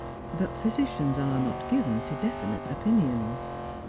But physicians are not given to definite oj^inions.